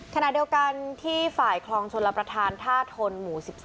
ขณะเดียวกันที่ฝ่ายคลองชลประธานท่าทนหมู่๑๒